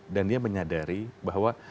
dan dia menyadari bahwa